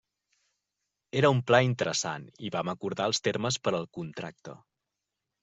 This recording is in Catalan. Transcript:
Era un pla interessant i vam acordar els termes per al contracte.